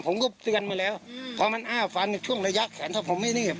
ผมก็เตือนมาแล้วพอมันอ้าฟันช่วงระยะแขนถ้าผมไม่รีบ